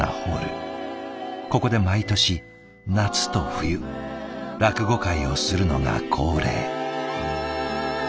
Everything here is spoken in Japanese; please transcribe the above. ここで毎年夏と冬落語会をするのが恒例。